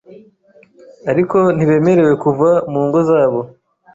ariko ntibemererwe kuva mu ngo zabo